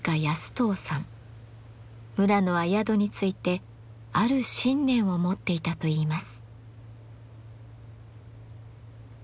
村野は宿についてある信念を持っていたといいます。